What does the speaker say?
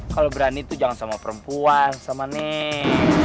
kalau berani tuh jangan sama perempuan sama nih